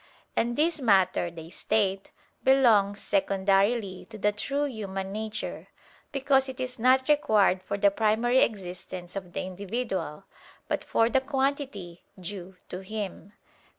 And this matter, they state, belongs secondarily to the true human nature: because it is not required for the primary existence of the individual, but for the quantity due to him.